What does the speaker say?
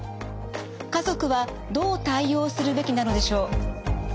家族はどう対応するべきなのでしょう。